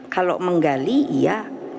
kalau menggali iya